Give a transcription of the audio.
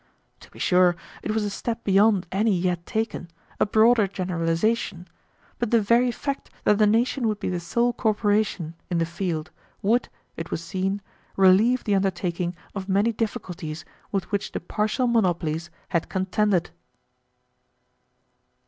To be sure it was a step beyond any yet taken, a broader generalization, but the very fact that the nation would be the sole corporation in the field would, it was seen, relieve the undertaking of many difficulties with which the partial monopolies had contended."